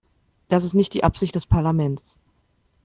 Das ist nicht die Absicht des Parlaments.